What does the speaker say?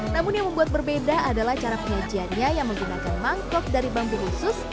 namun yang membuat berbeda adalah cara penyajiannya yang menggunakan mangkok dari bambu khusus